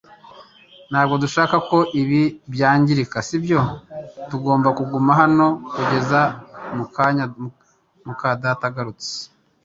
Ntabwo dushaka ko ibi byangirika, sibyo? Tugomba kuguma hano kugeza muka data agarutse